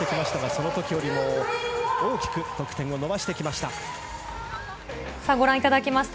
その時よりも大きく得点を伸ばしてきました。